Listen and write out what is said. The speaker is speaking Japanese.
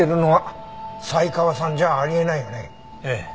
ええ。